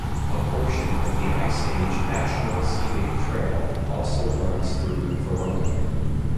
A portion of the Ice Age National Scenic Trail also runs through Verona.